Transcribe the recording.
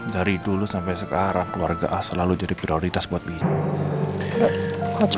dari dulu sampai sekarang keluarga a selalu jadi prioritas buat bin